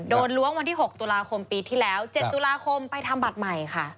ล้วงวันที่๖ตุลาคมปีที่แล้ว๗ตุลาคมไปทำบัตรใหม่ค่ะ